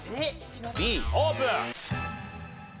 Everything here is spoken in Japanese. Ｂオープン！